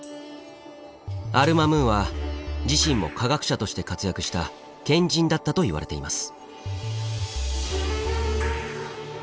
アル・マムーンは自身も科学者として活躍した賢人だったといわれています。